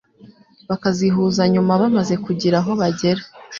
bakazihuza nyuma bamaze kugira aho bagera.